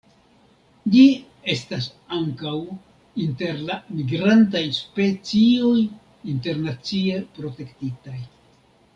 Ĝi estas ankaŭ inter la migrantaj specioj internacie protektitaj.